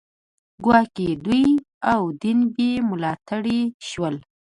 ګواکې دوی او دین بې ملاتړي شول